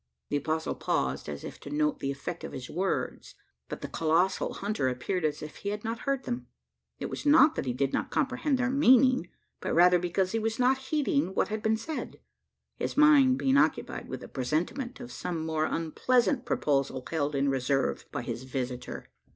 The apostle paused, as if to note the effect of his words; but the colossal hunter appeared as if he had not heard them. It was not that he did not comprehend their meaning, but rather because he was not heeding what had been said his mind being occupied with a presentiment of some more unpleasant proposal held in reserve by his visitor.